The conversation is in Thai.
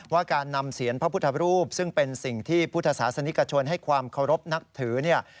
ว่าการนำเสียนพระพุทธรูปซึ่งเป็นสิ่งที่พุทธศาสนิกชนให้ความเคารพนับถือเนี่ย